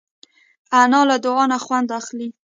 انا له دعا نه خوند اخلي